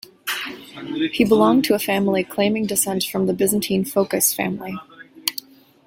He belonged to a family claiming descent from the Byzantine Phokas family.